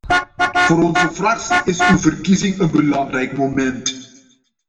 Voor onze fractie is uw verkiezing een belangrijk moment.